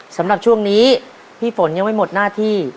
สำหรับช่วงนี้พี่ฝนยังไม่หมดหน้าที่